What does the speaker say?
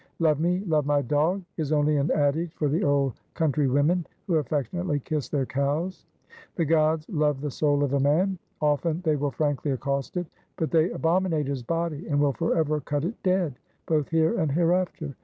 Love me, love my dog, is only an adage for the old country women who affectionately kiss their cows. The gods love the soul of a man; often, they will frankly accost it; but they abominate his body; and will forever cut it dead, both here and hereafter.